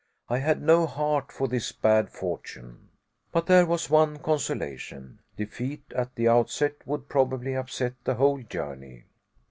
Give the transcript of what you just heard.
I had no heart for this bad fortune. But there was one consolation. Defeat at the outset would probably upset the whole journey!